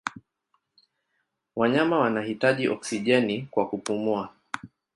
Wanyama wanahitaji oksijeni kwa kupumua.